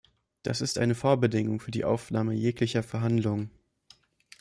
Das ist eine Vorbedingung für die Aufnahme jeglicher Verhandlungen.